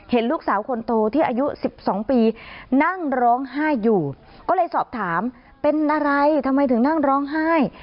เห็นลูกสาวคนโตที่อายุ๑๒ปีนั่งร้องไห้อยู่ก็เลยสอบถามเป็นอะไรทำไมถึงนั่งร้องไห้